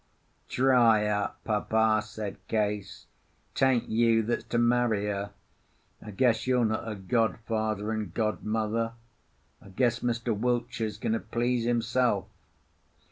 "Dry up, Papa," said Case. "'Tain't you that's to marry her. I guess you're not her godfather and godmother. I guess Mr. Wiltshire's going to please himself."